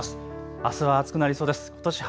あすは暑くなりそうです。